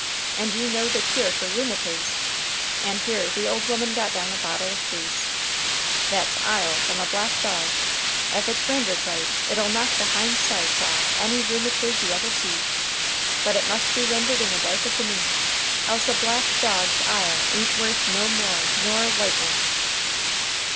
And you know the cure fer rheumatiz?" And here the old woman got down a bottle of grease. "That's ile from a black dog. Ef it's rendered right, it'll knock the hind sights off of any rheumatiz you ever see. But it must be rendered in the dark of the moon. Else a black dog's ile a'n't worth no more nor a white one's."